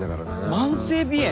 慢性鼻炎？